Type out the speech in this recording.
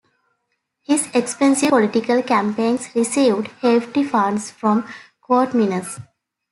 His expensive political campaigns received hefty funds from Coteminas.